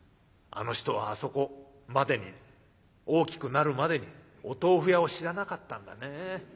あの人はあそこまでに大きくなるまでにお豆腐屋を知らなかったんだね。